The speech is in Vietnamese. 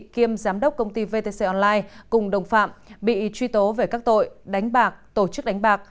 kiêm giám đốc công ty vtc online cùng đồng phạm bị truy tố về các tội đánh bạc tổ chức đánh bạc